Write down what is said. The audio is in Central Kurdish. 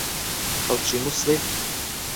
خەڵکی مووسڵی؟